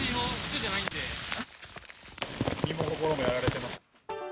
身も心もやられてます。